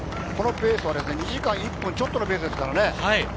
このペースは２時間１分ちょっとのペースですからね。